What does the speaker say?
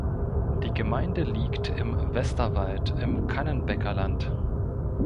Die Gemeinde liegt im Westerwald im Kannenbäckerland.